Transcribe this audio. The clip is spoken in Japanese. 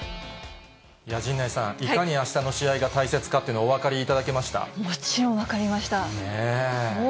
陣内さん、いかにあしたの試合が大切かっていうの、もちろん分かりました。ねぇ。